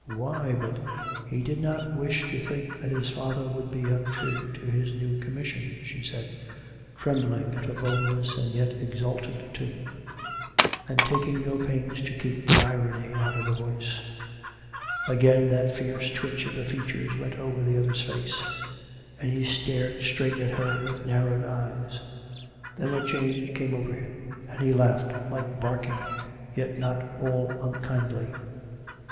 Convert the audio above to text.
Why, but "" He did not wish to think that his father would be un true to his new commission," she said, trembling at her boldness and yet exultant too; and taking no pains to keep the irony out of her voice. Again that fierce twitch of the features went over the other's face; and he stared straight at her with narrowed eyes. Then a change again came over him; and he laughed, like barking, yet not all unkindly.